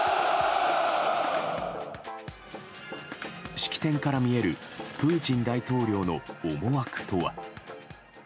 式典から見えるプーチン大統領の思惑とは。